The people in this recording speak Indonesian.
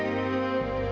kamu mau bicara apa